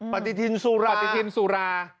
ปฏิทินสุรา